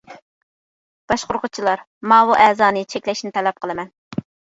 -باشقۇرغۇچىلار، ماۋۇ ئەزانى چەكلەشنى تەلەپ قىلىمەن.